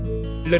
lần đầu tiên